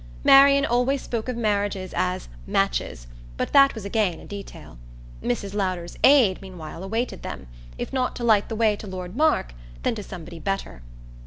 Marian always spoke of marriages as "matches," but that was again a detail. Mrs. Lowder's "aid" meanwhile awaited them if not to light the way to Lord Mark, then to somebody better.